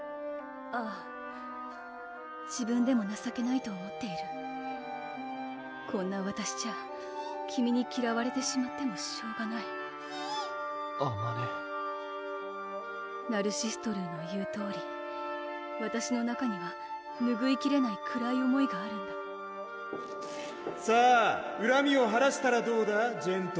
あぁ自分でもなさけないと思っているこんなわたしじゃ君にきらわれてしまってもしょうがないピッあまねナルシストルーの言うとおりわたしの中にはぬぐいきれないくらい思いがあるんださぁうらみを晴らしたらどうだ？